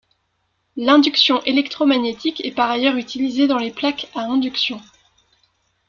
L'induction électromagnétique est par ailleurs utilisée dans les plaques à induction.